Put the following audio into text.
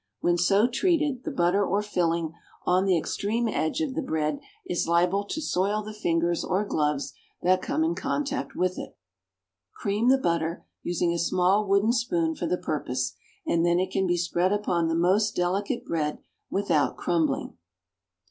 When so treated, the butter or filling on the extreme edge of the bread is liable to soil the fingers or gloves that come in contact with it. Cream the butter, using a small wooden spoon for the purpose, and then it can be spread upon the most delicate bread without crumbling.